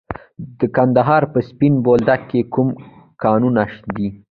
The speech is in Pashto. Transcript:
د کندهار په سپین بولدک کې کوم کانونه دي؟